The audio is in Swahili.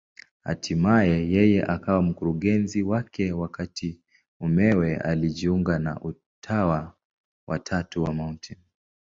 Hatimaye yeye akawa mkurugenzi wake, wakati mumewe alijiunga na Utawa wa Tatu wa Mt.